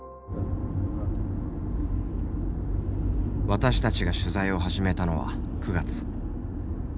私たちが取材を始めたのは９月。